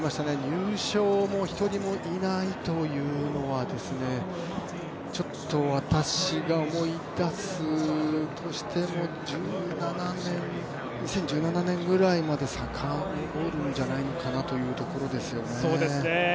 入賞も１人もいないというのはちょっと私が思い出すとしても２０１７年ぐらいまで、遡るんじゃないのかなというところですよね。